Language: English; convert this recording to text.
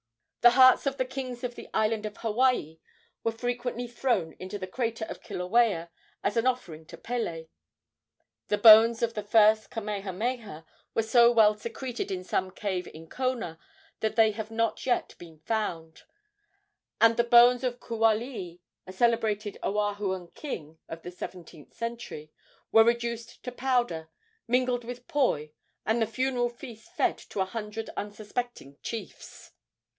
The hearts of the kings of the island of Hawaii were frequently thrown into the crater of Kilauea as an offering to Pele. The bones of the first Kamehameha were so well secreted in some cave in Kona that they have not yet been found, and the bones of Kualii, a celebrated Oahuan king of the seventeenth century, were reduced to powder, mingled with poi, and at the funeral feast fed to a hundred unsuspecting chiefs.